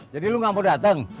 jadi lu gak mau dateng